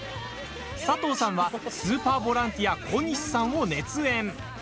佐藤さんはスーパーボランティア小西さんを熱演。